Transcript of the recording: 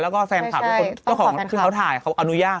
แล้วก็แฟนคลับของเขาถ่ายเขาอนุญาต